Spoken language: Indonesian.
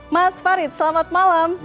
mas farid selamat malam